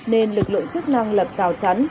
nên lực lượng chức năng lập rào chắn